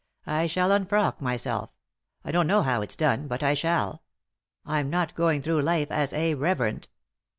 I shall un frock myself— I don't know how it's done, but I shall. I'm not going through life as a 'reverend.'"